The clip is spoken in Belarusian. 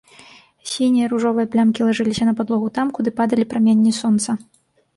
Сінія, ружовыя плямкі лажыліся на падлогу там, куды падалі праменні сонца.